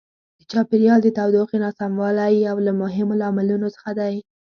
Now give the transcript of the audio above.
د چاپیریال د تودوخې ناسموالی یو له مهمو لاملونو څخه دی.